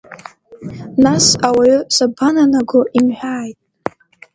Нас ауаҩы сабананаго имҳәааит…